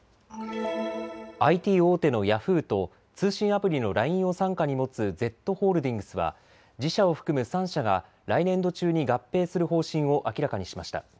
ＩＴ大手のヤフーと通信アプリのＬＩＮＥを傘下に持つＺホールディングスは自社を含む３社が来年度中に合併する方針を明らかにしました。